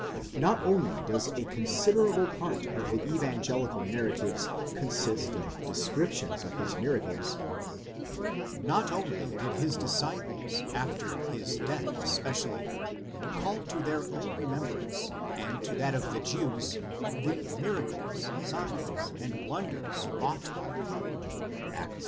Not only does a considerable part of the evangelical narratives consist of descriptions of his miracles ; not only did his disciples after his death especially call to their own remembrance and to that of the Jews the δυνάμεις (miracles) σημεῖα (signs) and τέρατα (wonders) wrought by him (Acts ii.